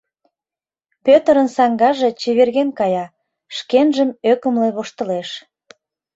Пӧтырын саҥгаже чеверген кая, шкенжым ӧкымлӧ воштылеш.